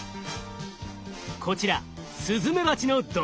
こちらスズメバチの毒針。